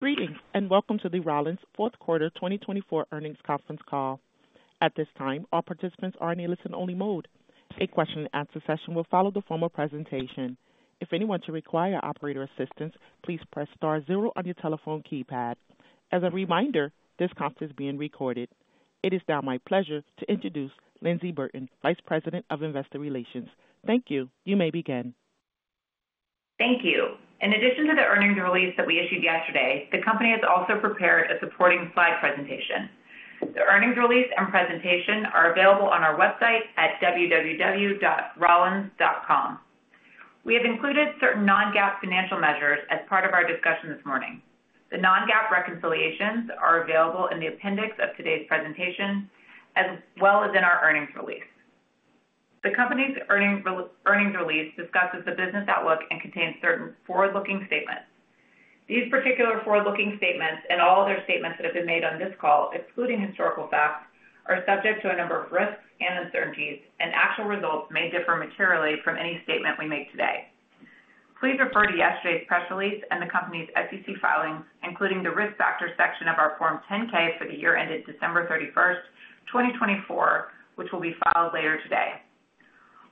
Greetings and welcome to the Rollins Fourth Quarter 2024 Earnings Conference Call. At this time, all participants are in a listen-only mode. A question-and-answer session will follow the formal presentation. If anyone should require operator assistance, please press star zero on your telephone keypad. As a reminder, this conference is being recorded. It is now my pleasure to introduce Lyndsey Burton, Vice President of Investor Relations. Thank you. You may begin. Thank you. In addition to the earnings release that we issued yesterday, the company has also prepared a supporting slide presentation. The earnings release and presentation are available on our website at www.rollins.com. We have included certain Non-GAAP financial measures as part of our discussion this morning. The Non-GAAP reconciliations are available in the appendix of today's presentation, as well as in our earnings release. The company's earnings release discusses the business outlook and contains certain forward-looking statements. These particular forward-looking statements and all other statements that have been made on this call, excluding historical facts, are subject to a number of risks and uncertainties, and actual results may differ materially from any statement we make today. Please refer to yesterday's press release and the company's SEC filings, including the risk factor section of our Form 10-K for the year ended December 31st, 2024, which will be filed later today.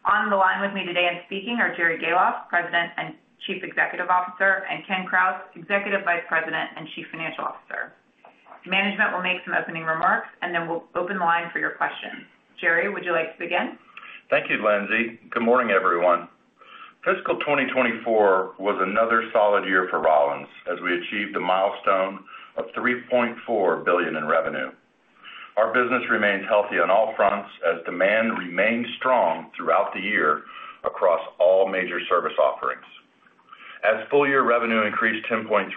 On the line with me today and speaking are Jerry Gahlhoff, President and Chief Executive Officer, and Ken Krause, Executive Vice President and Chief Financial Officer. Management will make some opening remarks, and then we'll open the line for your questions. Jerry, would you like to begin? Thank you, Lindsey. Good morning, everyone. Fiscal 2024 was another solid year for Rollins as we achieved a milestone of $3.4 billion in revenue. Our business remains healthy on all fronts as demand remained strong throughout the year across all major service offerings. As full-year revenue increased 10.3%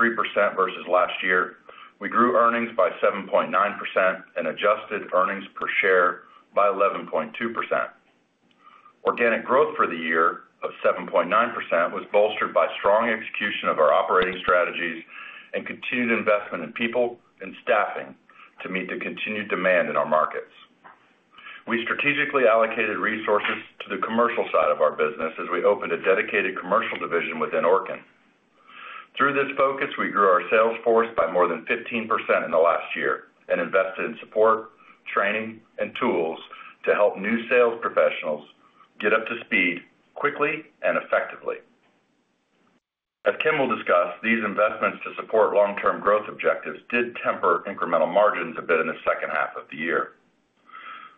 versus last year, we grew earnings by 7.9% and adjusted earnings per share by 11.2%. Organic growth for the year of 7.9% was bolstered by strong execution of our operating strategies and continued investment in people and staffing to meet the continued demand in our markets. We strategically allocated resources to the commercial side of our business as we opened a dedicated commercial division within Orkin. Through this focus, we grew our sales force by more than 15% in the last year and invested in support, training, and tools to help new sales professionals get up to speed quickly and effectively. As Ken will discuss, these investments to support long-term growth objectives did temper incremental margins a bit in the second half of the year.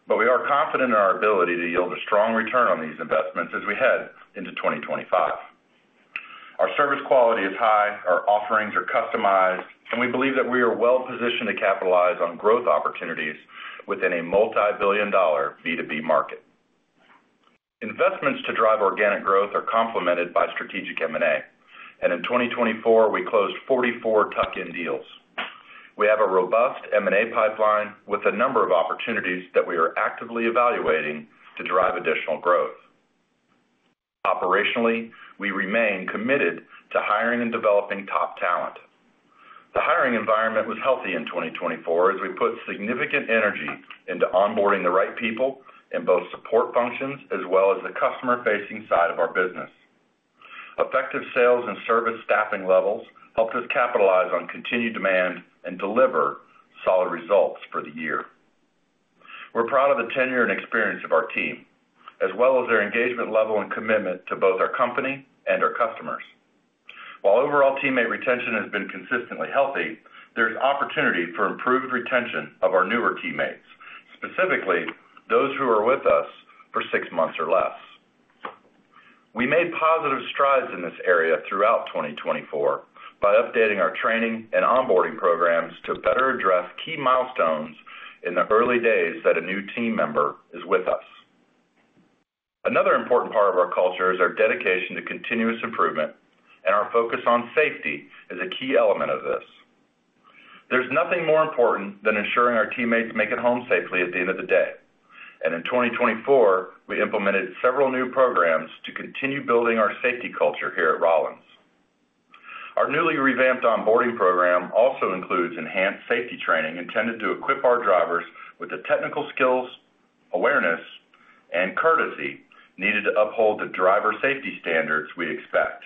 But we are confident in our ability to yield a strong return on these investments as we head into 2025. Our service quality is high, our offerings are customized, and we believe that we are well positioned to capitalize on growth opportunities within a multi-billion dollar B2B market. Investments to drive organic growth are complemented by strategic M&A, and in 2024, we closed 44 tuck-in deals. We have a robust M&A pipeline with a number of opportunities that we are actively evaluating to drive additional growth. Operationally, we remain committed to hiring and developing top talent. The hiring environment was healthy in 2024 as we put significant energy into onboarding the right people in both support functions as well as the customer-facing side of our business. Effective sales and service staffing levels helped us capitalize on continued demand and deliver solid results for the year. We're proud of the tenure and experience of our team, as well as their engagement level and commitment to both our company and our customers. While overall teammate retention has been consistently healthy, there's opportunity for improved retention of our newer teammates, specifically those who are with us for six months or less. We made positive strides in this area throughout 2024 by updating our training and onboarding programs to better address key milestones in the early days that a new team member is with us. Another important part of our culture is our dedication to continuous improvement, and our focus on safety is a key element of this. There's nothing more important than ensuring our teammates make it home safely at the end of the day. In 2024, we implemented several new programs to continue building our safety culture here at Rollins. Our newly revamped onboarding program also includes enhanced safety training intended to equip our drivers with the technical skills, awareness, and courtesy needed to uphold the driver safety standards we expect.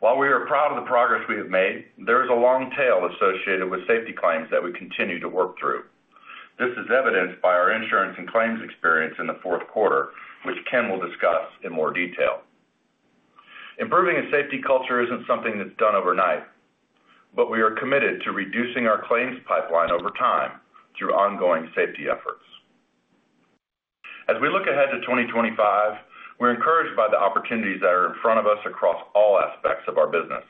While we are proud of the progress we have made, there is a long tail associated with safety claims that we continue to work through. This is evidenced by our insurance and claims experience in the fourth quarter, which Ken will discuss in more detail. Improving a safety culture isn't something that's done overnight, but we are committed to reducing our claims pipeline over time through ongoing safety efforts. As we look ahead to 2025, we're encouraged by the opportunities that are in front of us across all aspects of our business.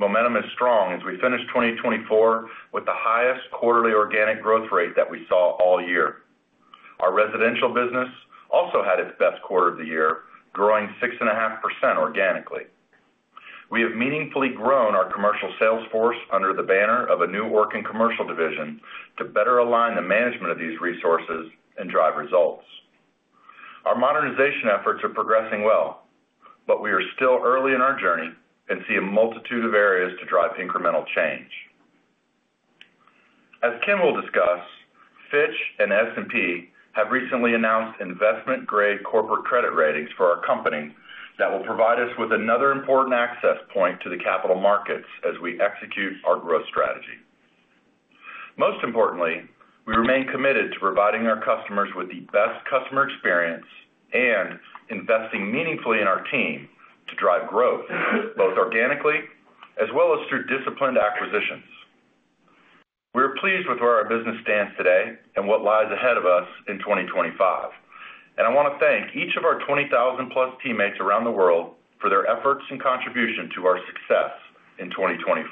Momentum is strong as we finish 2024 with the highest quarterly organic growth rate that we saw all year. Our residential business also had its best quarter of the year, growing 6.5% organically. We have meaningfully grown our commercial sales force under the banner of a new Orkin commercial division to better align the management of these resources and drive results. Our modernization efforts are progressing well, but we are still early in our journey and see a multitude of areas to drive incremental change. As Ken will discuss, Fitch and S&P have recently announced investment-grade corporate credit ratings for our company that will provide us with another important access point to the capital markets as we execute our growth strategy. Most importantly, we remain committed to providing our customers with the best customer experience and investing meaningfully in our team to drive growth both organically as well as through disciplined acquisitions. We're pleased with where our business stands today and what lies ahead of us in 2025. And I want to thank each of our 20,000-plus teammates around the world for their efforts and contribution to our success in 2024.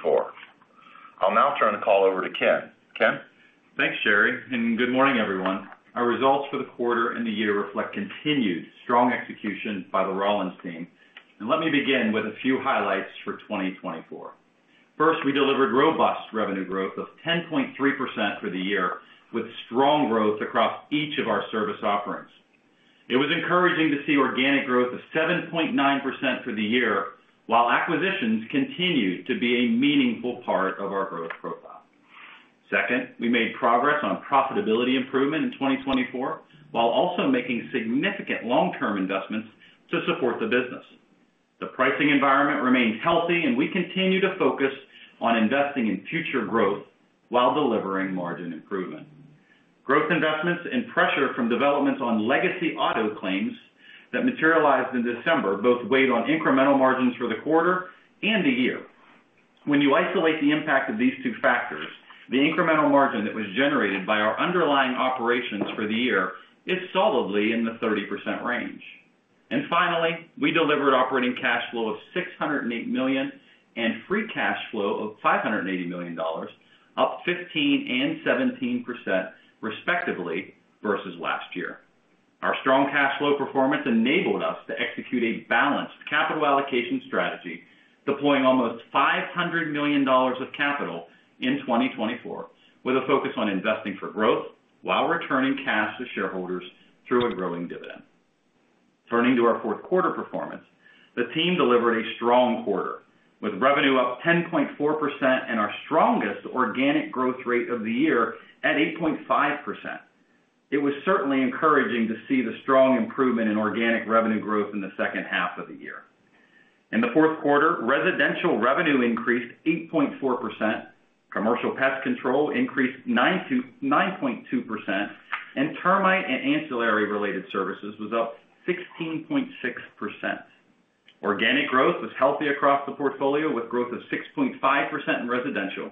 I'll now turn the call over to Ken. Ken. Thanks, Jerry. Good morning, everyone. Our results for the quarter and the year reflect continued strong execution by the Rollins team. Let me begin with a few highlights for 2024. First, we delivered robust revenue growth of 10.3% for the year, with strong growth across each of our service offerings. It was encouraging to see organic growth of 7.9% for the year, while acquisitions continued to be a meaningful part of our growth profile. Second, we made progress on profitability improvement in 2024, while also making significant long-term investments to support the business. The pricing environment remained healthy, and we continue to focus on investing in future growth while delivering margin improvement. Growth investments and pressure from developments on legacy auto claims that materialized in December both weighed on incremental margins for the quarter and the year. When you isolate the impact of these two factors, the incremental margin that was generated by our underlying operations for the year is solidly in the 30% range. And finally, we delivered operating cash flow of $608 million and free cash flow of $580 million, up 15% and 17% respectively versus last year. Our strong cash flow performance enabled us to execute a balanced capital allocation strategy, deploying almost $500 million of capital in 2024, with a focus on investing for growth while returning cash to shareholders through a growing dividend. Turning to our fourth quarter performance, the team delivered a strong quarter, with revenue up 10.4% and our strongest organic growth rate of the year at 8.5%. It was certainly encouraging to see the strong improvement in organic revenue growth in the second half of the year. In the fourth quarter, residential revenue increased 8.4%, commercial pest control increased 9.2%, and termite and ancillary-related services was up 16.6%. Organic growth was healthy across the portfolio, with growth of 6.5% in residential,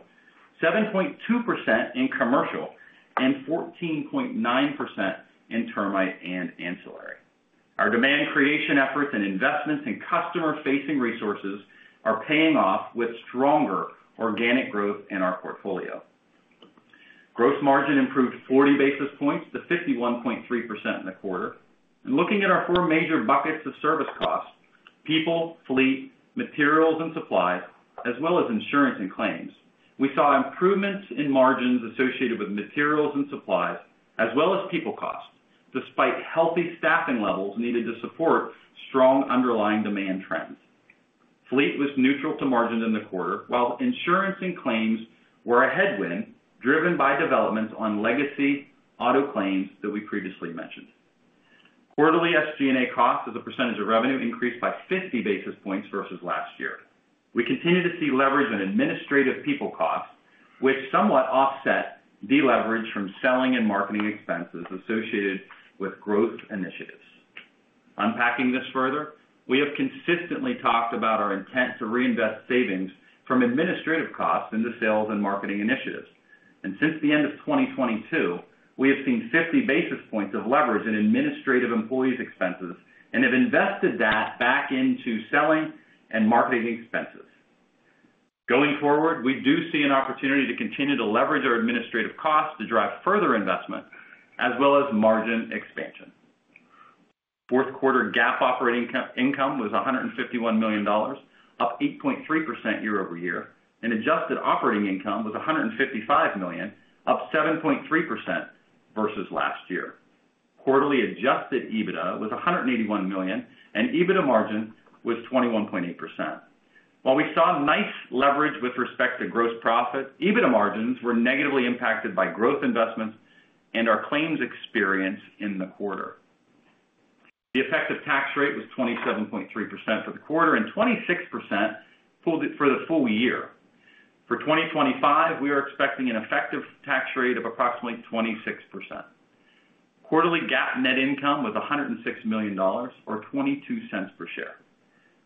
7.2% in commercial, and 14.9% in termite and ancillary. Our demand creation efforts and investments in customer-facing resources are paying off with stronger organic growth in our portfolio. Gross margin improved 40 basis points to 51.3% in the quarter, and looking at our four major buckets of service costs: people, fleet, materials, and supplies, as well as insurance and claims, we saw improvements in margins associated with materials and supplies, as well as people costs, despite healthy staffing levels needed to support strong underlying demand trends. Fleet was neutral to margin in the quarter, while insurance and claims were a headwind driven by developments on legacy auto claims that we previously mentioned. Quarterly SG&A costs as a percentage of revenue increased by 50 basis points versus last year. We continue to see leverage on administrative people costs, which somewhat offset deleverage from selling and marketing expenses associated with growth initiatives. Unpacking this further, we have consistently talked about our intent to reinvest savings from administrative costs into sales and marketing initiatives, and since the end of 2022, we have seen 50 basis points of leverage in administrative employees' expenses and have invested that back into selling and marketing expenses. Going forward, we do see an opportunity to continue to leverage our administrative costs to drive further investment, as well as margin expansion. Fourth quarter GAAP operating income was $151 million, up 8.3% year over year, and adjusted operating income was $155 million, up 7.3% versus last year. Quarterly adjusted EBITDA was $181 million, and EBITDA margin was 21.8%. While we saw nice leverage with respect to gross profit, EBITDA margins were negatively impacted by growth investments and our claims experience in the quarter. The effective tax rate was 27.3% for the quarter and 26% for the full year. For 2025, we are expecting an effective tax rate of approximately 26%. Quarterly GAAP net income was $106 million, or 22 cents per share.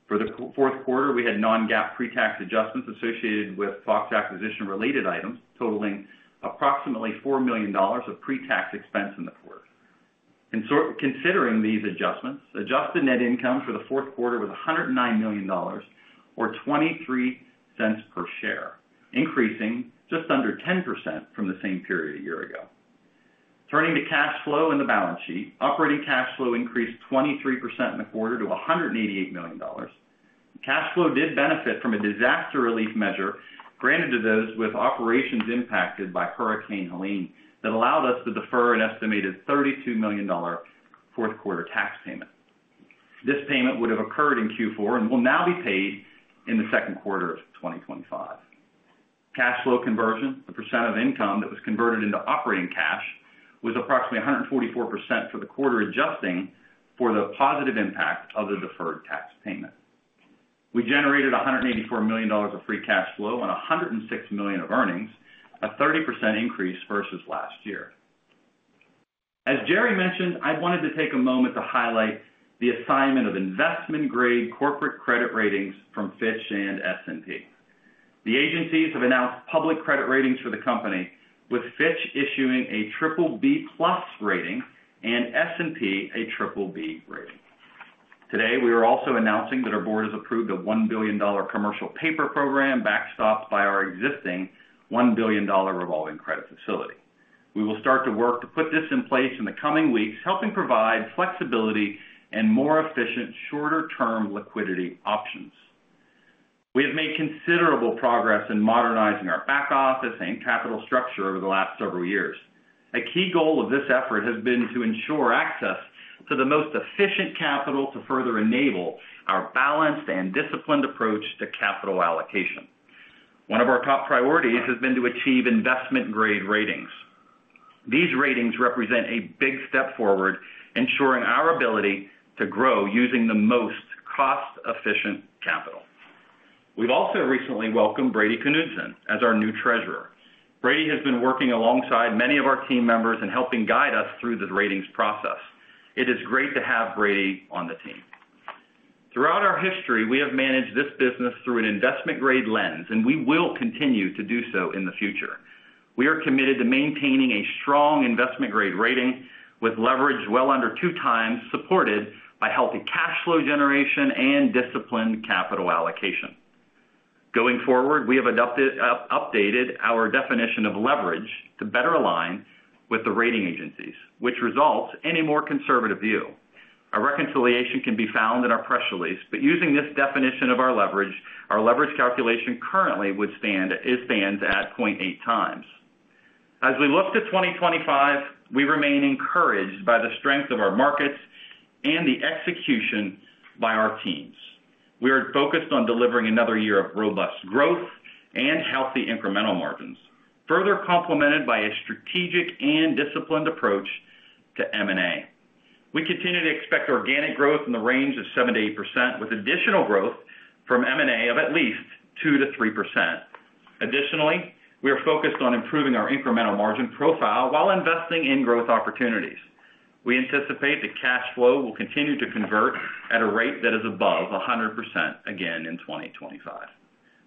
For the fourth quarter, we had non-GAAP pre-tax adjustments associated with Fox acquisition-related items, totaling approximately $4 million of pre-tax expense in the quarter. Considering these adjustments, adjusted net income for the fourth quarter was $109 million, or 23 cents per share, increasing just under 10% from the same period a year ago. Turning to cash flow in the balance sheet, operating cash flow increased 23% in the quarter to $188 million. Cash flow did benefit from a disaster relief measure granted to those with operations impacted by Hurricane Helene that allowed us to defer an estimated $32 million fourth quarter tax payment. This payment would have occurred in Q4 and will now be paid in the second quarter of 2025. Cash flow conversion, the percent of income that was converted into operating cash, was approximately 144% for the quarter adjusting for the positive impact of the deferred tax payment. We generated $184 million of free cash flow and $106 million of earnings, a 30% increase versus last year. As Jerry mentioned, I wanted to take a moment to highlight the assignment of investment-grade corporate credit ratings from Fitch and S&P. The agencies have announced public credit ratings for the company, with Fitch issuing a BBB plus rating and S&P a BBB rating. Today, we are also announcing that our board has approved a $1 billion commercial paper program backstopped by our existing $1 billion revolving credit facility. We will start to work to put this in place in the coming weeks, helping provide flexibility and more efficient shorter-term liquidity options. We have made considerable progress in modernizing our back office and capital structure over the last several years. A key goal of this effort has been to ensure access to the most efficient capital to further enable our balanced and disciplined approach to capital allocation. One of our top priorities has been to achieve investment-grade ratings. These ratings represent a big step forward, ensuring our ability to grow using the most cost-efficient capital. We've also recently welcomed Brady Knudsen as our new treasurer. Brady has been working alongside many of our team members and helping guide us through the ratings process. It is great to have Brady on the team. Throughout our history, we have managed this business through an investment-grade lens, and we will continue to do so in the future. We are committed to maintaining a strong investment-grade rating with leverage well under two times, supported by healthy cash flow generation and disciplined capital allocation. Going forward, we have updated our definition of leverage to better align with the rating agencies, which results in a more conservative view. A reconciliation can be found in our press release, but using this definition of our leverage, our leverage calculation currently stands at 0.8 times. As we look to 2025, we remain encouraged by the strength of our markets and the execution by our teams. We are focused on delivering another year of robust growth and healthy incremental margins, further complemented by a strategic and disciplined approach to M&A. We continue to expect organic growth in the range of 7%-8%, with additional growth from M&A of at least 2%-3%. Additionally, we are focused on improving our incremental margin profile while investing in growth opportunities. We anticipate that cash flow will continue to convert at a rate that is above 100% again in 2025.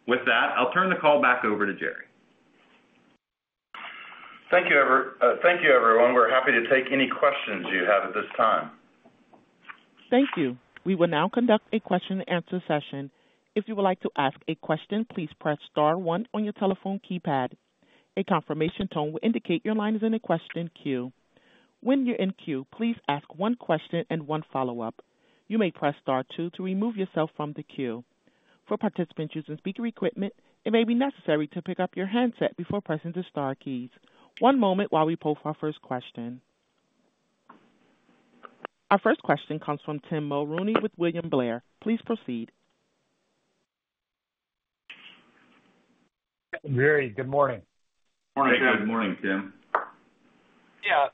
With that, I'll turn the call back over to Jerry. Thank you, everyone. We're happy to take any questions you have at this time. Thank you. We will now conduct a question-and-answer session. If you would like to ask a question, please press Star 1 on your telephone keypad. A confirmation tone will indicate your line is in a question queue. When you're in queue, please ask one question and one follow-up. You may press Star 2 to remove yourself from the queue. For participants using speaker equipment, it may be necessary to pick up your handset before pressing the Star keys. One moment while we pull for our first question. Our first question comes from Tim Mulrooney with William Blair. Please proceed. Jerry, good morning. Good morning, Tim. Yeah.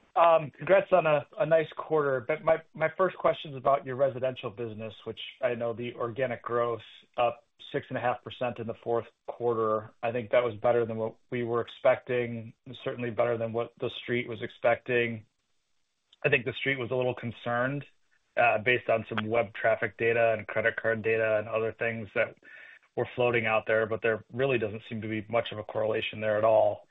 Congrats on a nice quarter. My first question is about your residential business, which I know the organic growth is up 6.5% in the fourth quarter. I think that was better than what we were expecting, certainly better than what the Street was expecting. I think the Street was a little concerned based on some web traffic data and credit card data and other things that were floating out there, but there really doesn't seem to be much of a correlation there at all.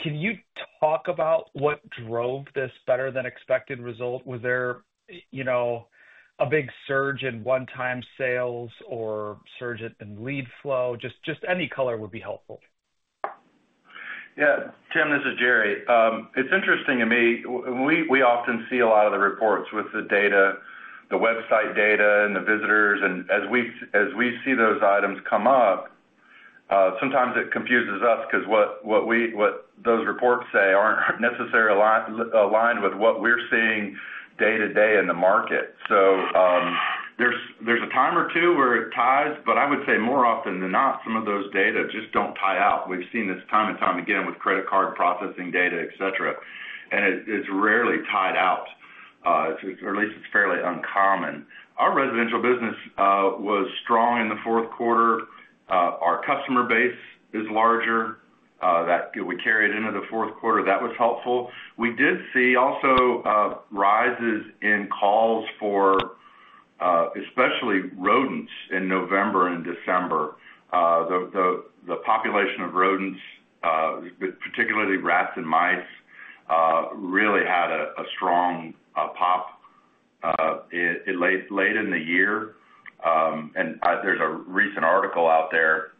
Can you talk about what drove this better-than-expected result? Was there a big surge in one-time sales or a surge in lead flow? Just any color would be helpful. Yeah. Tim, this is Jerry. It's interesting to me. We often see a lot of the reports with the data, the website data, and the visitors, and as we see those items come up, sometimes it confuses us because what those reports say aren't necessarily aligned with what we're seeing day-to-day in the market, so there's a time or two where it ties, but I would say more often than not, some of those data just don't tie out. We've seen this time and time again with credit card processing data, etc., and it's rarely tied out, or at least it's fairly uncommon. Our residential business was strong in the fourth quarter. Our customer base is larger. We carried into the fourth quarter. That was helpful. We did see also rises in calls for especially rodents in November and December. The population of rodents, particularly rats and mice, really had a strong pop late in the year, and there's a recent article out there,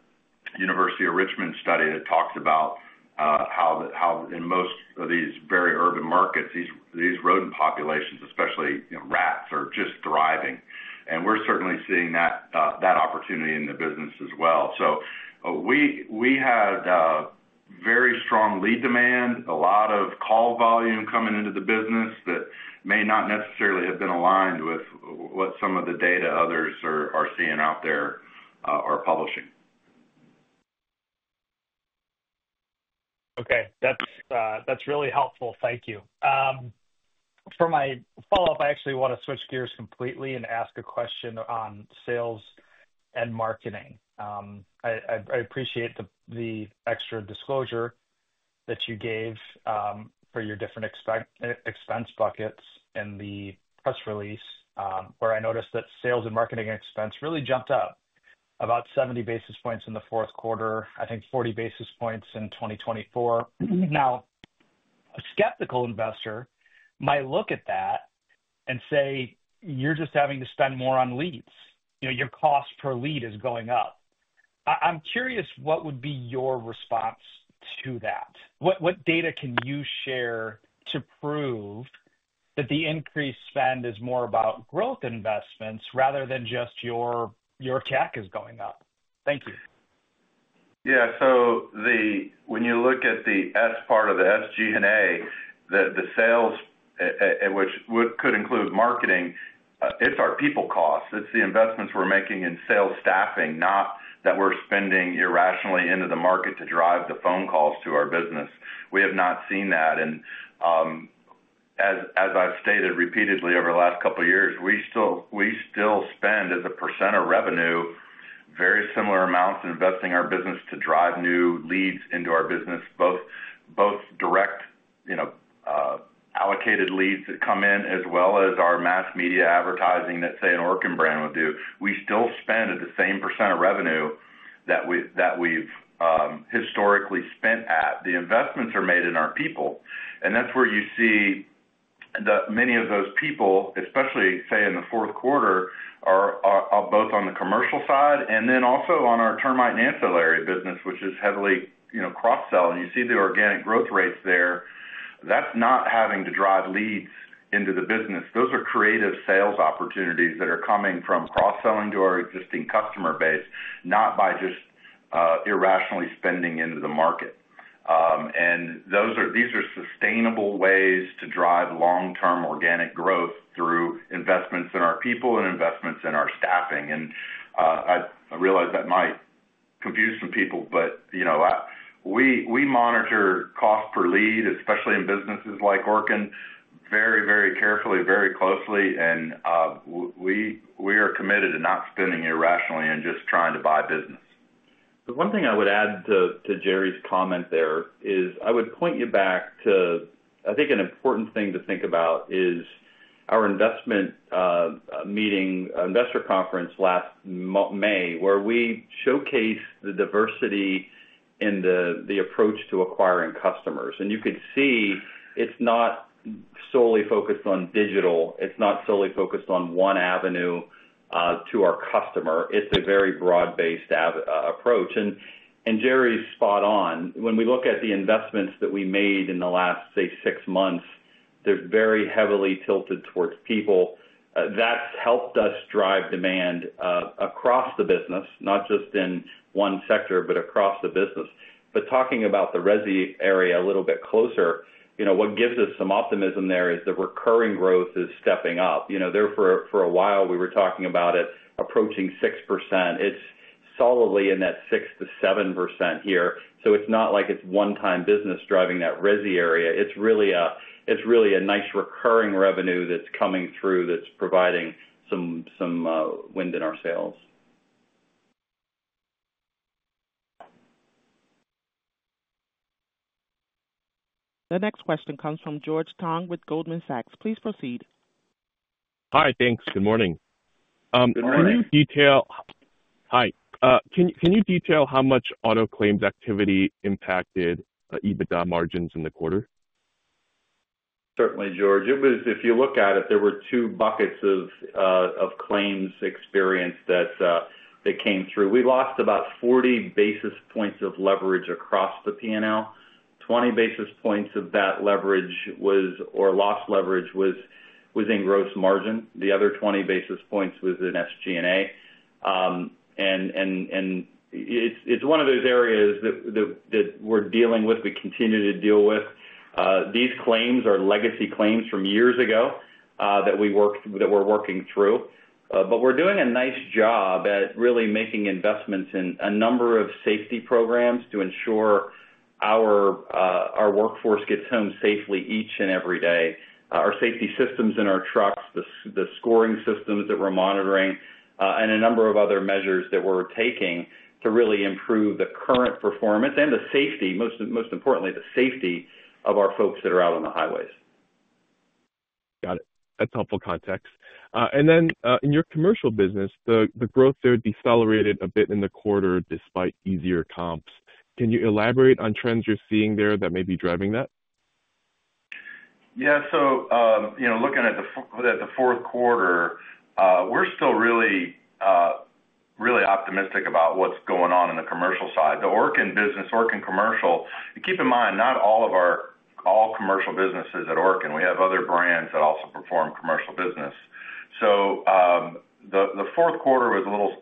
a University of Richmond study that talks about how in most of these very urban markets, these rodent populations, especially rats, are just thriving, and we're certainly seeing that opportunity in the business as well, so we had very strong lead demand, a lot of call volume coming into the business that may not necessarily have been aligned with what some of the data others are seeing out there are publishing. Okay. That's really helpful. Thank you. For my follow-up, I actually want to switch gears completely and ask a question on sales and marketing. I appreciate the extra disclosure that you gave for your different expense buckets in the press release, where I noticed that sales and marketing expense really jumped up about 70 basis points in the fourth quarter, I think 40 basis points in 2024. Now, a skeptical investor might look at that and say, "You're just having to spend more on leads. Your cost per lead is going up." I'm curious what would be your response to that. What data can you share to prove that the increased spend is more about growth investments rather than just your tech is going up? Thank you. Yeah, so when you look at the S part of the SG&A, the sales, which could include marketing, it's our people costs. It's the investments we're making in sales staffing, not that we're spending irrationally into the market to drive the phone calls to our business. We have not seen that. And as I've stated repeatedly over the last couple of years, we still spend, as a % of revenue, very similar amounts investing in our business to drive new leads into our business, both direct allocated leads that come in as well as our mass media advertising that, say, an Orkin brand would do. We still spend at the same % of revenue that we've historically spent at. The investments are made in our people. That's where you see that many of those people, especially, say, in the fourth quarter, are both on the commercial side and then also on our termite and ancillary business, which is heavily cross-selling. You see the organic growth rates there. That's not having to drive leads into the business. Those are creative sales opportunities that are coming from cross-selling to our existing customer base, not by just irrationally spending into the market. These are sustainable ways to drive long-term organic growth through investments in our people and investments in our staffing. I realize that might confuse some people, but we monitor cost per lead, especially in businesses like Orkin, very, very carefully, very closely. We are committed to not spending irrationally and just trying to buy business. The one thing I would add to Jerry's comment there is I would point you back to, I think, an important thing to think about is our investment meeting, investor conference last May, where we showcased the diversity in the approach to acquiring customers, and you could see it's not solely focused on digital. It's not solely focused on one avenue to our customer. It's a very broad-based approach, and Jerry's spot on. When we look at the investments that we made in the last, say, six months, they're very heavily tilted towards people. That's helped us drive demand across the business, not just in one sector, but across the business, but talking about the Resi area a little bit closer, what gives us some optimism there is the recurring growth is stepping up. For a while, we were talking about it approaching 6%. It's solidly in that 6%-7% here. So it's not like it's one-time business driving that Resi area. It's really a nice recurring revenue that's coming through that's providing some wind in our sales. The next question comes from George Tong with Goldman Sachs. Please proceed. Hi. Thanks. Good morning. Good morning. Can you detail how much auto claims activity impacted EBITDA margins in the quarter? Certainly, George. If you look at it, there were two buckets of claims experience that came through. We lost about 40 basis points of leverage across the P&L. 20 basis points of that leverage or lost leverage was in gross margin. The other 20 basis points was in SG&A, and it's one of those areas that we're dealing with, we continue to deal with. These claims are legacy claims from years ago that we're working through, but we're doing a nice job at really making investments in a number of safety programs to ensure our workforce gets home safely each and every day. Our safety systems in our trucks, the scoring systems that we're monitoring, and a number of other measures that we're taking to really improve the current performance and the safety, most importantly, the safety of our folks that are out on the highways. Got it. That's helpful context. And then in your commercial business, the growth there decelerated a bit in the quarter despite easier comps. Can you elaborate on trends you're seeing there that may be driving that? Yeah. So looking at the fourth quarter, we're still really optimistic about what's going on in the commercial side. The Orkin business, Orkin commercial, keep in mind, not all commercial businesses at Orkin. We have other brands that also perform commercial business. So the fourth quarter was a little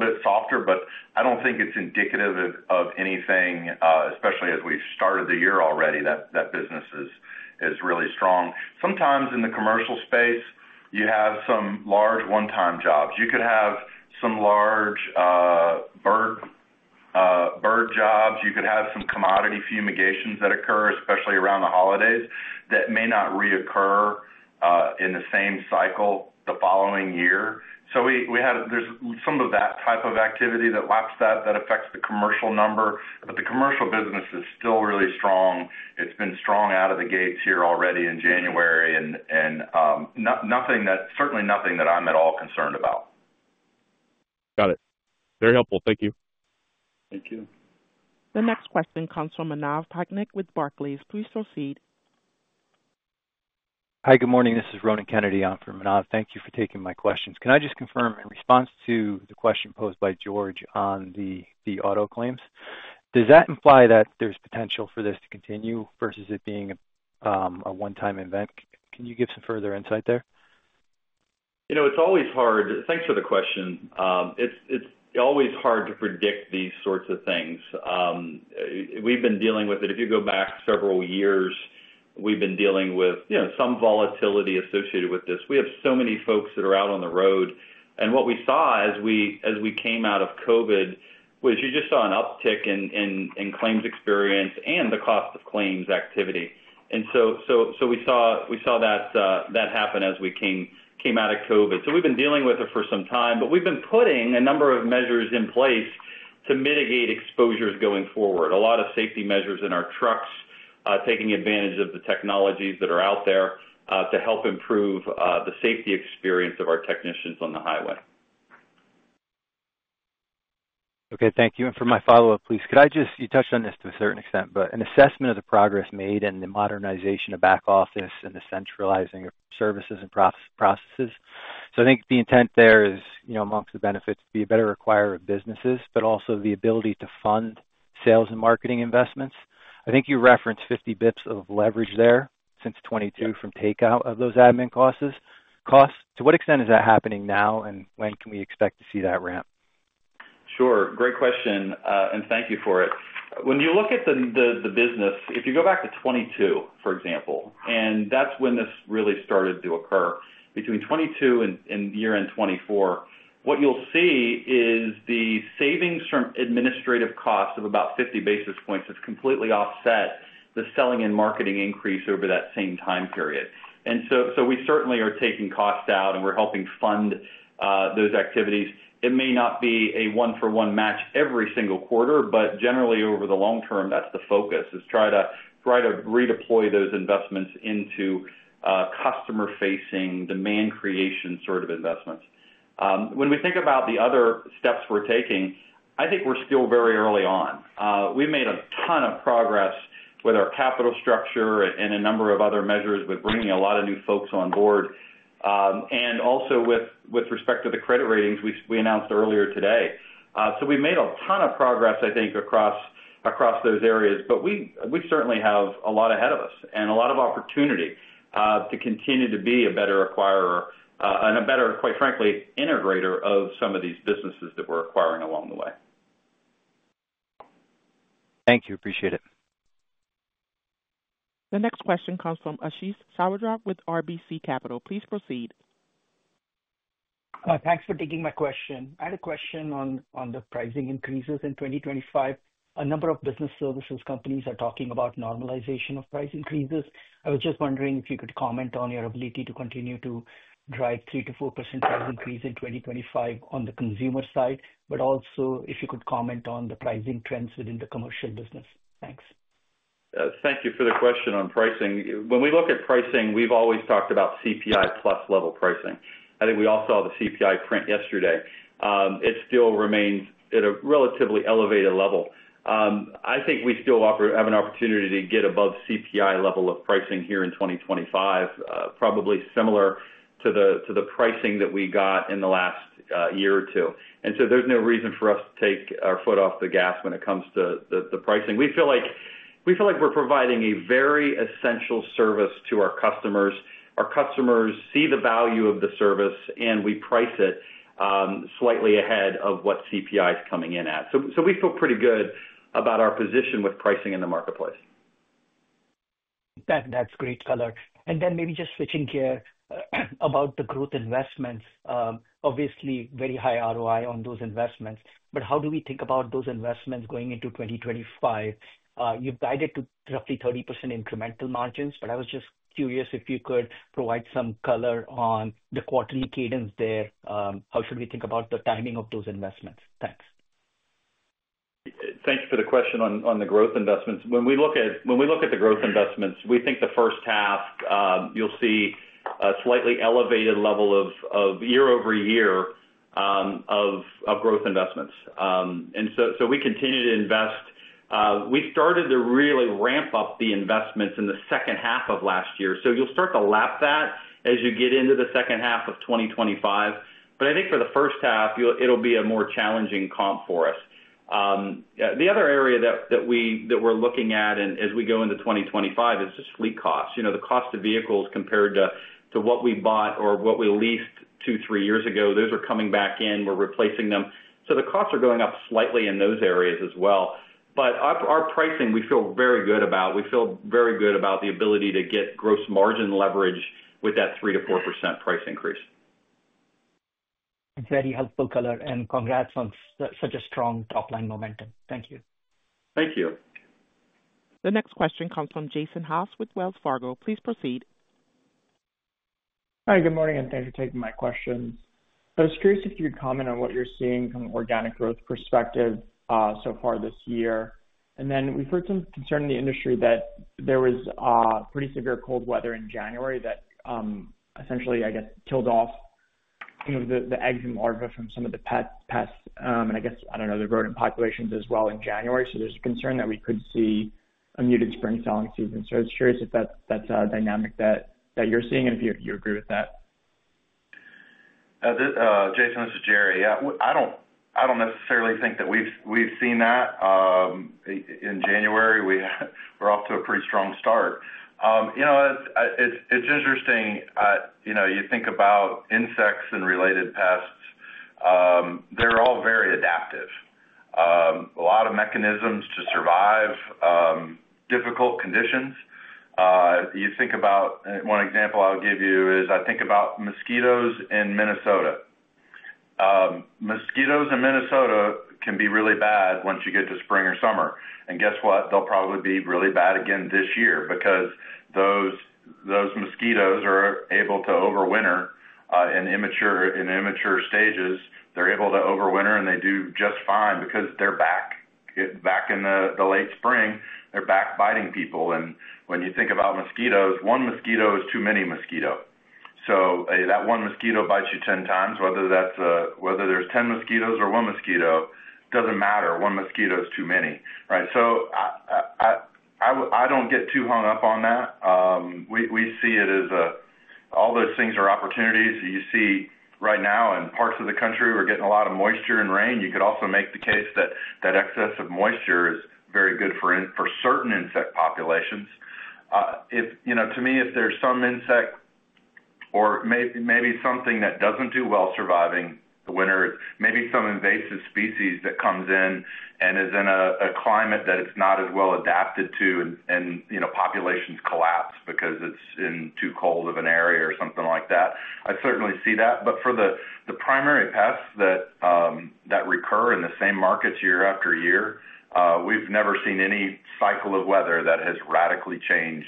bit softer, but I don't think it's indicative of anything, especially as we've started the year already, that the business is really strong. Sometimes in the commercial space, you have some large one-time jobs. You could have some large bird jobs. You could have some commodity fumigations that occur, especially around the holidays, that may not reoccur in the same cycle the following year. So there's some of that type of activity that laps, that affects the commercial number. But the commercial business is still really strong. It's been strong out of the gates here already in January, and certainly nothing that I'm at all concerned about. Got it. Very helpful. Thank you. Thank you. The next question comes from Manav Patnaik with Barclays. Please proceed. Hi. Good morning. This is Ronan Kennedy from Manav. Thank you for taking my questions. Can I just confirm, in response to the question posed by George on the auto claims, does that imply that there's potential for this to continue versus it being a one-time event? Can you give some further insight there? It's always hard. Thanks for the question. It's always hard to predict these sorts of things. We've been dealing with it. If you go back several years, we've been dealing with some volatility associated with this. We have so many folks that are out on the road. And what we saw as we came out of COVID was you just saw an uptick in claims experience and the cost of claims activity. And so we saw that happen as we came out of COVID. So we've been dealing with it for some time, but we've been putting a number of measures in place to mitigate exposures going forward. A lot of safety measures in our trucks, taking advantage of the technologies that are out there to help improve the safety experience of our technicians on the highway. Okay. Thank you. And for my follow-up, please, could I just—you touched on this to a certain extent, but an assessment of the progress made in the modernization of back office and the centralizing of services and processes? So I think the intent there is, amongst the benefits, to be a better acquirer of businesses, but also the ability to fund sales and marketing investments. I think you referenced 50 basis points of leverage there since 2022 from takeout of those admin costs. To what extent is that happening now, and when can we expect to see that ramp? Sure. Great question. And thank you for it. When you look at the business, if you go back to 2022, for example, and that's when this really started to occur, between 2022 and year-end 2024, what you'll see is the savings from administrative costs of about 50 basis points has completely offset the selling and marketing increase over that same time period. And so we certainly are taking costs out, and we're helping fund those activities. It may not be a one-for-one match every single quarter, but generally, over the long term, that's the focus, is try to redeploy those investments into customer-facing demand creation sort of investments. When we think about the other steps we're taking, I think we're still very early on. We've made a ton of progress with our capital structure and a number of other measures with bringing a lot of new folks on board. And also with respect to the credit ratings we announced earlier today. So we've made a ton of progress, I think, across those areas, but we certainly have a lot ahead of us and a lot of opportunity to continue to be a better acquirer and a better, quite frankly, integrator of some of these businesses that we're acquiring along the way. Thank you. Appreciate it. The next question comes from Ashish Sabadra with RBC Capital. Please proceed. Thanks for taking my question. I had a question on the pricing increases in 2025. A number of business services companies are talking about normalization of price increases. I was just wondering if you could comment on your ability to continue to drive 3%-4% price increase in 2025 on the consumer side, but also if you could comment on the pricing trends within the commercial business? Thanks. Thank you for the question on pricing. When we look at pricing, we've always talked about CPI-plus level pricing. I think we all saw the CPI print yesterday. It still remains at a relatively elevated level. I think we still have an opportunity to get above CPI level of pricing here in 2025, probably similar to the pricing that we got in the last year or two. And so there's no reason for us to take our foot off the gas when it comes to the pricing. We feel like we're providing a very essential service to our customers. Our customers see the value of the service, and we price it slightly ahead of what CPI is coming in at. So we feel pretty good about our position with pricing in the marketplace. That's great, color. And then maybe just switching gears about the growth investments. Obviously, very high ROI on those investments. But how do we think about those investments going into 2025? You've guided to roughly 30% incremental margins, but I was just curious if you could provide some color on the quarterly cadence there. How should we think about the timing of those investments? Thanks. Thank you for the question on the growth investments. When we look at the growth investments, we think the first half, you'll see a slightly elevated level of year-over-year growth investments, and so we continue to invest. We started to really ramp up the investments in the second half of last year, so you'll start to lap that as you get into the second half of 2025, but I think for the first half, it'll be a more challenging comp for us. The other area that we're looking at as we go into 2025 is just fleet costs. The cost of vehicles compared to what we bought or what we leased two, three years ago, those are coming back in. We're replacing them, so the costs are going up slightly in those areas as well, but our pricing, we feel very good about. We feel very good about the ability to get gross margin leverage with that 3%-4% price increase. Very helpful, color. And congrats on such a strong top-line momentum. Thank you. Thank you. The next question comes from Jason Haas with Wells Fargo. Please proceed. Hi. Good morning, and thanks for taking my questions. I was curious if you could comment on what you're seeing from an organic growth perspective so far this year, and then we've heard some concern in the industry that there was pretty severe cold weather in January that essentially, I guess, killed off some of the eggs and larvae from some of the pests, and I guess, I don't know, the rodent populations as well in January, so there's a concern that we could see a muted spring selling season, so I was curious if that's a dynamic that you're seeing and if you agree with that. Jason, this is Jerry. Yeah. I don't necessarily think that we've seen that. In January, we were off to a pretty strong start. It's interesting. You think about insects and related pests. They're all very adaptive. A lot of mechanisms to survive difficult conditions. You think about one example. I'll give you is I think about mosquitoes in Minnesota. Mosquitoes in Minnesota can be really bad once you get to spring or summer. And guess what? They'll probably be really bad again this year because those mosquitoes are able to overwinter in immature stages. They're able to overwinter, and they do just fine because they're back in the late spring. They're back biting people. And when you think about mosquitoes, one mosquito is too many mosquitoes. So that one mosquito bites you 10 times. Whether there's 10 mosquitoes or one mosquito, it doesn't matter. One mosquito is too many. Right? So I don't get too hung up on that. We see it as all those things are opportunities. You see right now in parts of the country, we're getting a lot of moisture and rain. You could also make the case that that excess of moisture is very good for certain insect populations. To me, if there's some insect or maybe something that doesn't do well surviving the winter, maybe some invasive species that comes in and is in a climate that it's not as well adapted to, and populations collapse because it's in too cold of an area or something like that, I certainly see that. But for the primary pests that recur in the same markets year after year, we've never seen any cycle of weather that has radically changed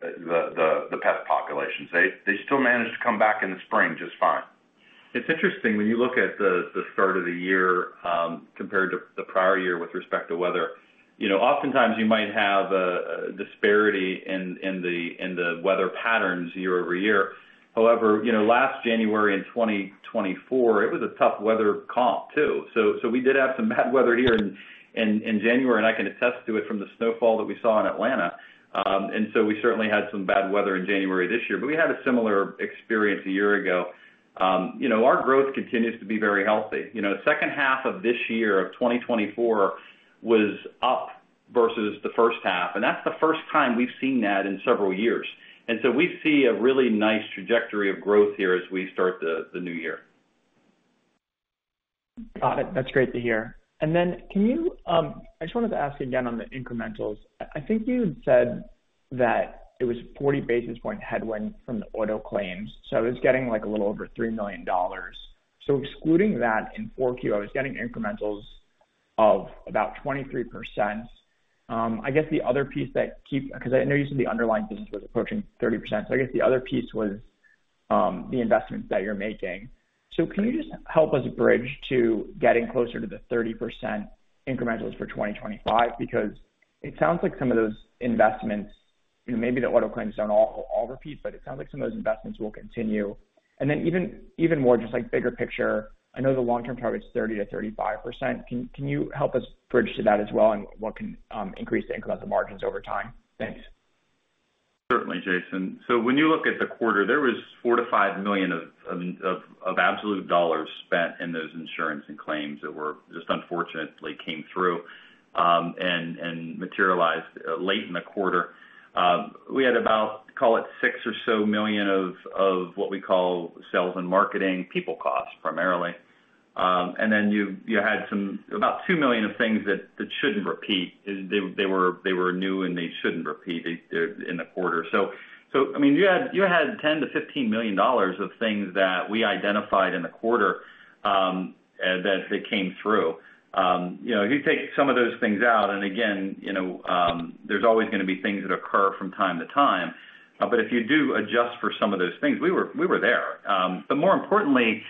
the pest populations. They still manage to come back in the spring just fine. It's interesting when you look at the start of the year compared to the prior year with respect to weather. Oftentimes, you might have a disparity in the weather patterns year over year. However, last January in 2024, it was a tough weather comp too. So we did have some bad weather here in January, and I can attest to it from the snowfall that we saw in Atlanta. And so we certainly had some bad weather in January this year, but we had a similar experience a year ago. Our growth continues to be very healthy. The second half of this year of 2024 was up versus the first half. And that's the first time we've seen that in several years. And so we see a really nice trajectory of growth here as we start the new year. Got it. That's great to hear. And then I just wanted to ask again on the incrementals. I think you had said that it was 40 basis points headwind from the auto claims. So I was getting a little over $3 million. So excluding that in 4Q, I was getting incrementals of about 23%. I guess the other piece that keeps because I know you said the underlying business was approaching 30%. So I guess the other piece was the investments that you're making. So can you just help us bridge to getting closer to the 30% incrementals for 2025? Because it sounds like some of those investments, maybe the auto claims don't all repeat, but it sounds like some of those investments will continue. And then even more, just like bigger picture, I know the long-term target's 30%-35%. Can you help us bridge to that as well and what can increase the incremental margins over time? Thanks. Certainly, Jason. So when you look at the quarter, there was $4 million-$5 million of absolute dollars spent in those insurance and claims that just unfortunately came through and materialized late in the quarter. We had about, call it, $6 million or so of what we call sales and marketing, people costs primarily. And then you had about $2 million of things that shouldn't repeat. They were new, and they shouldn't repeat in the quarter. So I mean, you had $10 million-$15 million of things that we identified in the quarter that came through. If you take some of those things out, and again, there's always going to be things that occur from time to time. But if you do adjust for some of those things, we were there. But more importantly,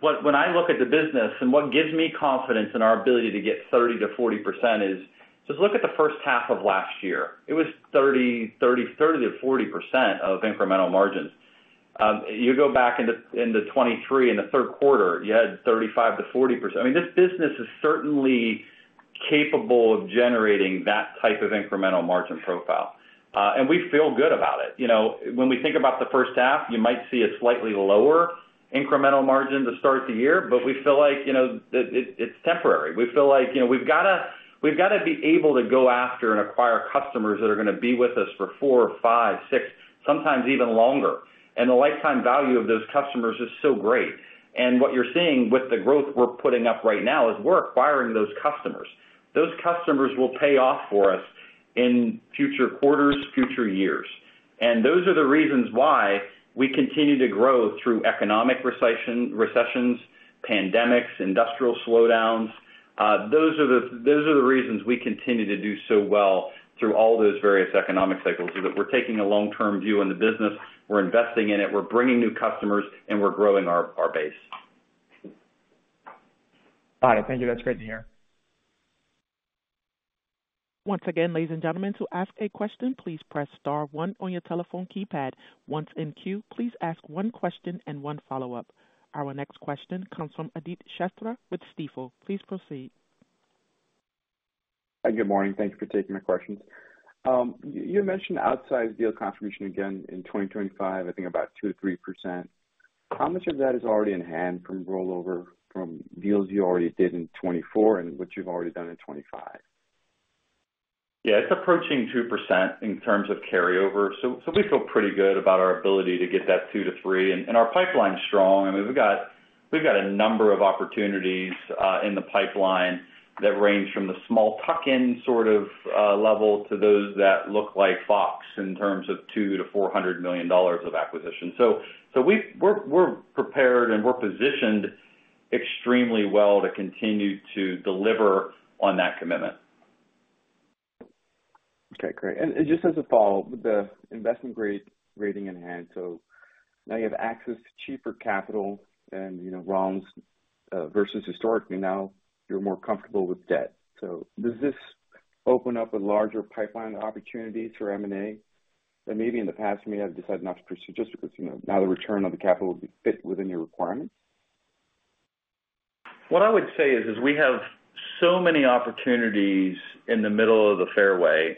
when I look at the business and what gives me confidence in our ability to get 30%-40% is just look at the first half of last year. It was 30%-40% of incremental margins. You go back into 2023, in the third quarter, you had 35%-40%. I mean, this business is certainly capable of generating that type of incremental margin profile. And we feel good about it. When we think about the first half, you might see a slightly lower incremental margin to start the year, but we feel like it's temporary. We feel like we've got to be able to go after and acquire customers that are going to be with us for four, five, six, sometimes even longer. And the lifetime value of those customers is so great. What you're seeing with the growth we're putting up right now is we're acquiring those customers. Those customers will pay off for us in future quarters, future years. Those are the reasons why we continue to grow through economic recessions, pandemics, industrial slowdowns. Those are the reasons we continue to do so well through all those various economic cycles is that we're taking a long-term view on the business. We're investing in it. We're bringing new customers, and we're growing our base. Got it. Thank you. That's great to hear. Once again, ladies and gentlemen, to ask a question, please press star one on your telephone keypad. Once in queue, please ask one question and one follow-up. Our next question comes from Aditya Shastry with Stifel. Please proceed. Hi. Good morning. Thank you for taking my questions. You mentioned outsized deal contribution again in 2025, I think about 2%-3%. How much of that is already in hand from rollover from deals you already did in 2024 and what you've already done in 2025? Yeah. It's approaching 2% in terms of carryover. So we feel pretty good about our ability to get that 2%-3%. And our pipeline's strong. I mean, we've got a number of opportunities in the pipeline that range from the small tuck-in sort of level to those that look like Fox in terms of $200 million-$400 million of acquisition. So we're prepared, and we're positioned extremely well to continue to deliver on that commitment. Okay. Great. And just as a follow-up, with the investment-grade rating in hand, so now you have access to cheaper capital and loans versus historically, now you're more comfortable with debt. So does this open up a larger pipeline of opportunities for M&A that maybe in the past may have decided not to pursue just because now the return on the capital would fit within your requirements? What I would say is we have so many opportunities in the middle of the fairway.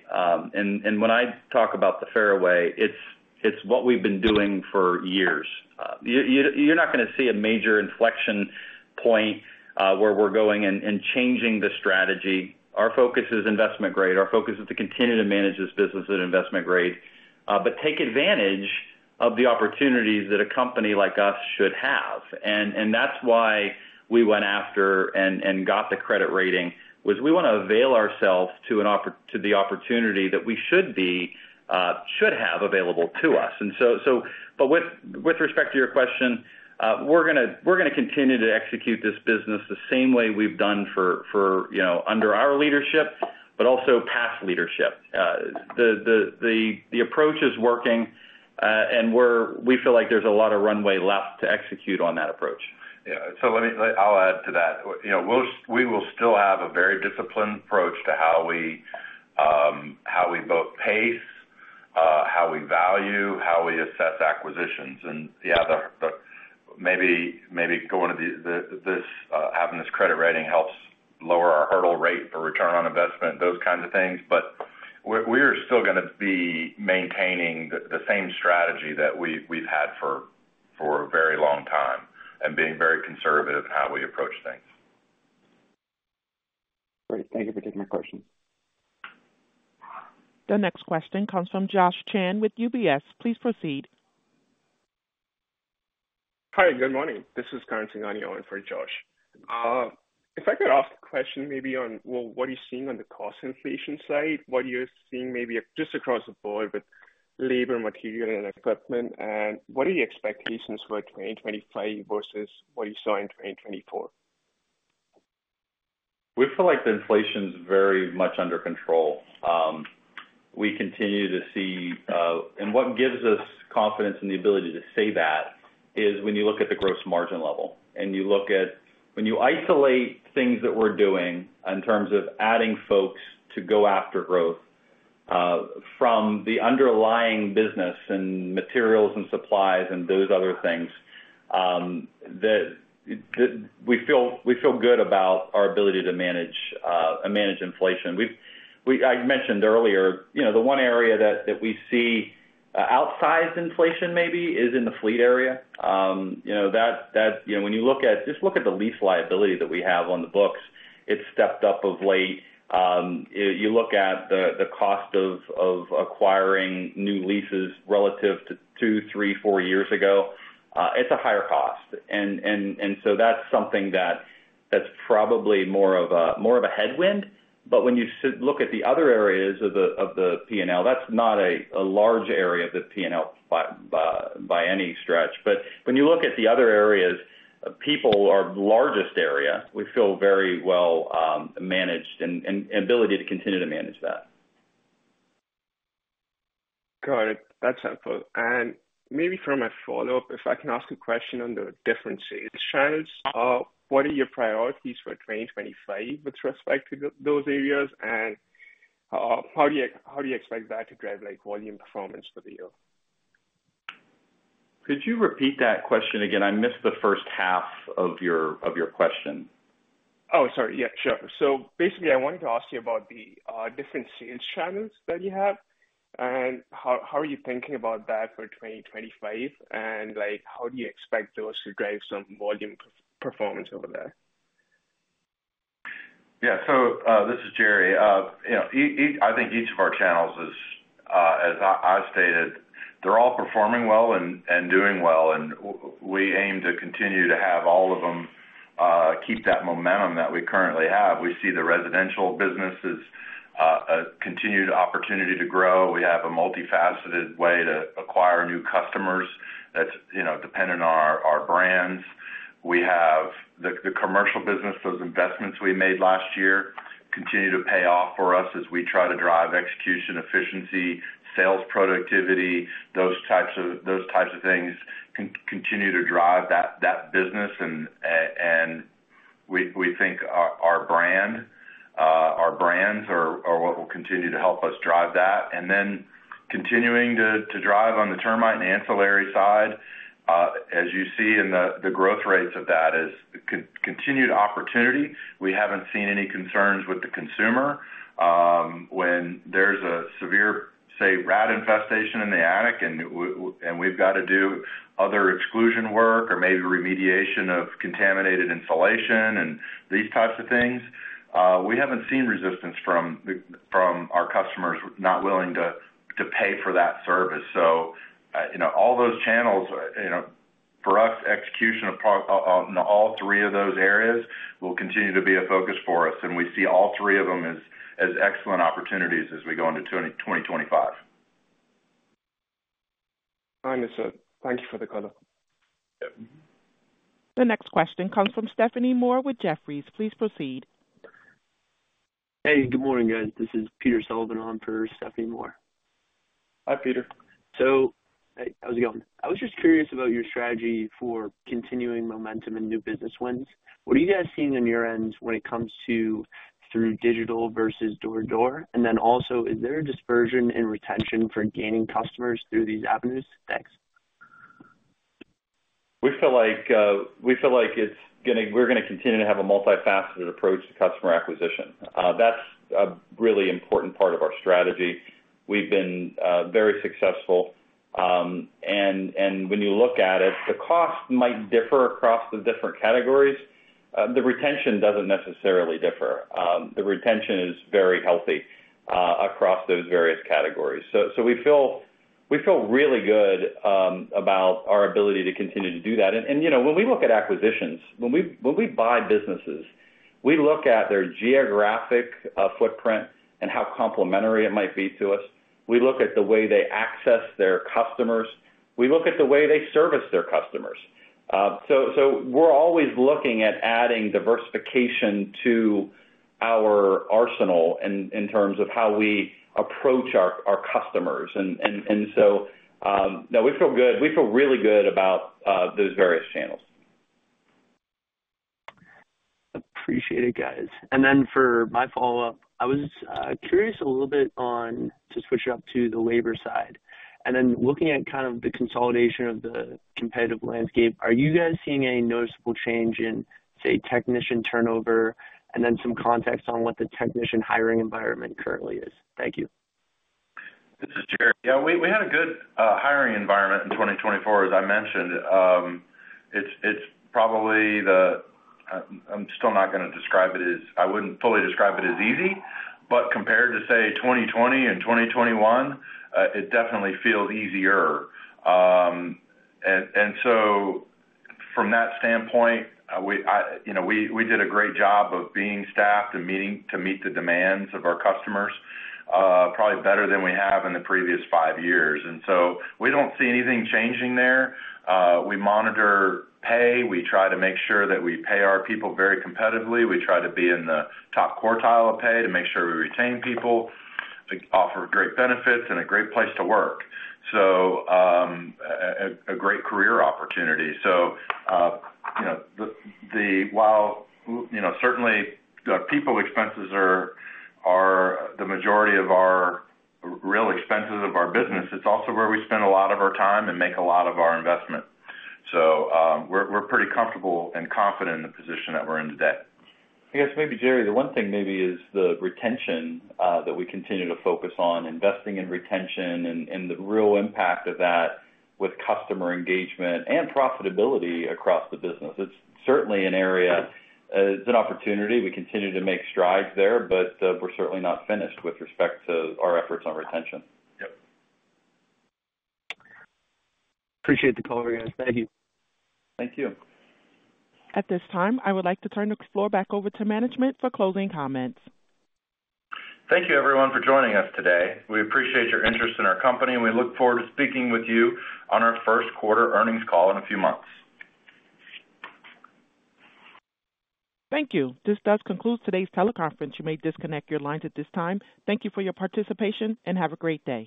When I talk about the fairway, it's what we've been doing for years. You're not going to see a major inflection point where we're going and changing the strategy. Our focus is investment-grade. Our focus is to continue to manage this business at investment-grade, but take advantage of the opportunities that a company like us should have. That's why we went after and got the credit rating was we want to avail ourselves to the opportunity that we should have available to us. With respect to your question, we're going to continue to execute this business the same way we've done under our leadership, but also past leadership. The approach is working, and we feel like there's a lot of runway left to execute on that approach. Yeah. So I'll add to that. We will still have a very disciplined approach to how we both pace, how we value, how we assess acquisitions. And yeah, maybe going to having this credit rating helps lower our hurdle rate for return on investment, those kinds of things. But we are still going to be maintaining the same strategy that we've had for a very long time and being very conservative in how we approach things. Great. Thank you for taking my question. The next question comes from Joshua Chan with UBS. Please proceed. Hi. Good morning. This is on the line for Josh. If I could ask a question maybe on, well, what are you seeing on the cost inflation side? What are you seeing maybe just across the board with labor, material, and equipment? And what are your expectations for 2025 versus what you saw in 2024? We feel like the inflation is very much under control. We continue to see, and what gives us confidence in the ability to say that is when you look at the gross margin level and you look at when you isolate things that we're doing in terms of adding folks to go after growth from the underlying business and materials and supplies and those other things, we feel good about our ability to manage inflation. I mentioned earlier, the one area that we see outsized inflation maybe is in the fleet area. When you look at the lease liability that we have on the books, it's stepped up of late. You look at the cost of acquiring new leases relative to two, three, four years ago, it's a higher cost, and so that's something that's probably more of a headwind. But when you look at the other areas of the P&L, that's not a large area of the P&L by any stretch. But when you look at the other areas, people are the largest area. We feel very well managed and ability to continue to manage that. Got it. That's helpful, and maybe for my follow-up, if I can ask a question on the different sales channels, what are your priorities for 2025 with respect to those areas? And how do you expect that to drive volume performance for the year? Could you repeat that question again? I missed the first half of your question. Oh, sorry. Yeah. Sure, so basically, I wanted to ask you about the different sales channels that you have, and how are you thinking about that for 2025, and how do you expect those to drive some volume performance over there? Yeah. So this is Jerry. I think each of our channels, as I stated, they're all performing well and doing well, and we aim to continue to have all of them keep that momentum that we currently have. We see the residential business as a continued opportunity to grow. We have a multifaceted way to acquire new customers that's dependent on our brands. We have the commercial business. Those investments we made last year continue to pay off for us as we try to drive execution, efficiency, sales productivity. Those types of things continue to drive that business, and we think our brands are what will continue to help us drive that, and then continuing to drive on the termite and ancillary side, as you see in the growth rates of that is continued opportunity. We haven't seen any concerns with the consumer when there's a severe, say, rat infestation in the attic and we've got to do other exclusion work or maybe remediation of contaminated insulation and these types of things. We haven't seen resistance from our customers not willing to pay for that service. So all those channels for us, execution on all three of those areas will continue to be a focus for us. And we see all three of them as excellent opportunities as we go into 2025. Thank you for the call. The next question comes from Stephanie Moore with Jefferies. Please proceed. Hey. Good morning, guys. This is Peter Sullivan on for Stephanie Moore. Hi, Peter. How's it going? I was just curious about your strategy for continuing momentum and new business wins. What are you guys seeing on your end when it comes to through digital versus door-to-door? And then also, is there a dispersion in retention for gaining customers through these avenues? Thanks. We're going to continue to have a multifaceted approach to customer acquisition. That's a really important part of our strategy. We've been very successful. And when you look at it, the cost might differ across the different categories. The retention doesn't necessarily differ. The retention is very healthy across those various categories. So we feel really good about our ability to continue to do that. And when we look at acquisitions, when we buy businesses, we look at their geographic footprint and how complementary it might be to us. We look at the way they access their customers. We look at the way they service their customers. So we're always looking at adding diversification to our arsenal in terms of how we approach our customers. And so no, we feel good. We feel really good about those various channels. Appreciate it, guys, and then for my follow-up, I was curious a little bit on to switch it up to the labor side, and then looking at kind of the consolidation of the competitive landscape, are you guys seeing any noticeable change in, say, technician turnover and then some context on what the technician hiring environment currently is? Thank you. This is Jerry. Yeah. We had a good hiring environment in 2024, as I mentioned. It's probably the. I'm still not going to describe it as. I wouldn't fully describe it as easy. But compared to, say, 2020 and 2021, it definitely feels easier. And so from that standpoint, we did a great job of being staffed and meeting the demands of our customers probably better than we have in the previous five years. And so we don't see anything changing there. We monitor pay. We try to make sure that we pay our people very competitively. We try to be in the top quartile of pay to make sure we retain people, offer great benefits, and a great place to work. So a great career opportunity. So while certainly people expenses are the majority of our real expenses of our business, it's also where we spend a lot of our time and make a lot of our investment. So we're pretty comfortable and confident in the position that we're in today. I guess maybe, Jerry, the one thing maybe is the retention that we continue to focus on, investing in retention and the real impact of that with customer engagement and profitability across the business. It's certainly an area. It's an opportunity. We continue to make strides there, but we're certainly not finished with respect to our efforts on retention. Yep. Appreciate the call, guys. Thank you. Thank you. At this time, I would like to turn the floor back over to management for closing comments. Thank you, everyone, for joining us today. We appreciate your interest in our company, and we look forward to speaking with you on our first quarter earnings call in a few months. Thank you. This does conclude today's teleconference. You may disconnect your lines at this time. Thank you for your participation and have a great day.